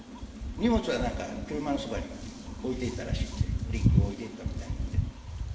荷物は車のそばに置いていったらしいんで、リュックを置いていったみたいなんで。